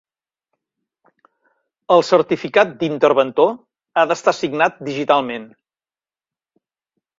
El certificat d'Interventor ha d'estar signat digitalment.